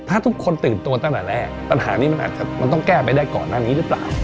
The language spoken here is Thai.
ถ้าทุกคนตื่นตัวตั้งแต่แรกปัญหานี้มันอาจจะมันต้องแก้ไปได้ก่อนหน้านี้หรือเปล่า